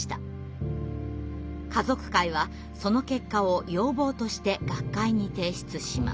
家族会はその結果を要望として学会に提出します。